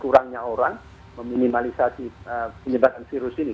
kurangnya orang meminimalisasi penyebaran virus ini